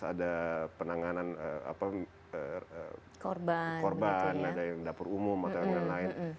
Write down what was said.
ada penanganan korban ada yang dapur umum dll